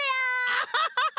アハハハ！